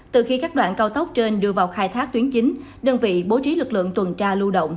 từ khi các đoạn cao tốc trên đưa vào khai thác tuyến chính đơn vị bố trí lực lượng tuần tra lưu động